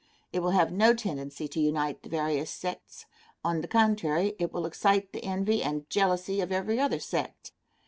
It will have no tendency to unite the various sects; on the contrary, it will excite the envy and jealousy of every other sect.